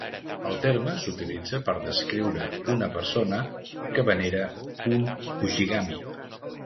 El terme s'utilitza per descriure una persona que venera un ujigami.